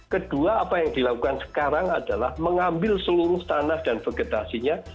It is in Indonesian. kedua apa yang dilakukan sekarang adalah mengambil seluruh tanah dan vegetasinya